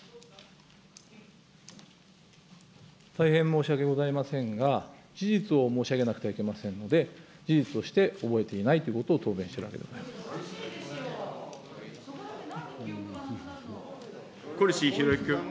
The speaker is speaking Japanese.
大変申し訳ございませんが、事実を申し上げなくてはいけませんので、事実として覚えていないということを答弁しているわけでございま小西洋之君。